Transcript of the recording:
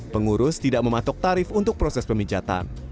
pengurus tidak mematok tarif untuk proses pemijatan